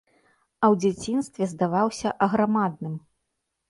А ў дзяцінстве здаваўся аграмадным.